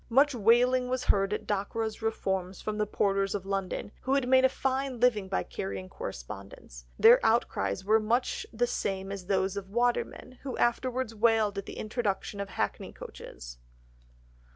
Much wailing was heard at Dockwra's reforms from the porters of London, who had made a fine living by carrying correspondence, their outcries were much the same as those of the watermen, who afterwards wailed at the introduction of hackney coaches.